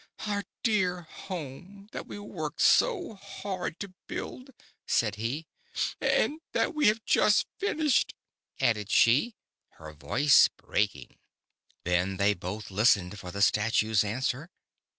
" Our dear home, that we worked so hard to build," said he. "And that we had just finished," added she, her voice breaking. Then they both listened for the Statue's answer.